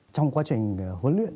trong quá trình huấn luyện